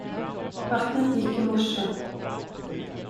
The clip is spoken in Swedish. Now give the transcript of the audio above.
Vattnet gick i morse.